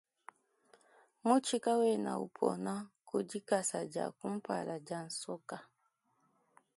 Mutshi kawena upona ku dikasa dia kumpala dia nsoka.